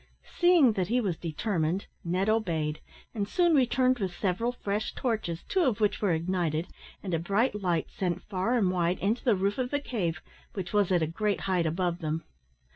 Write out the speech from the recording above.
Seeing that he was determined, Ned obeyed, and soon returned with several fresh torches, two of which were ignited, and a bright light sent far and wide into the roof of the cave, which was at a great height above them.